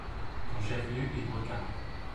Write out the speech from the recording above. Son chef-lieu est Guacara.